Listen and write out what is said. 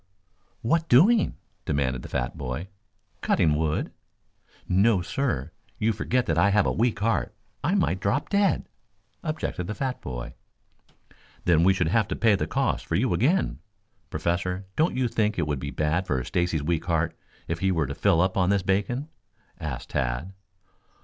"What doing?" demanded the fat boy. "Cutting wood." "No, sir! You forget that I have a weak heart. I might drop dead," objected the fat boy. "Then we shouldn't have to pay the costs for you again. Professor, don't you think it would be bad for Stacy's weak heart if he were to fill up on this bacon?" asked Tad.